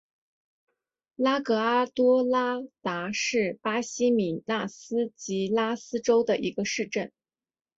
拉戈阿多拉达是巴西米纳斯吉拉斯州的一个市镇。